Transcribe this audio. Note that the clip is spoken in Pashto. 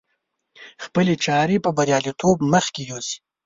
خپلې چارې په برياليتوب مخکې يوسي.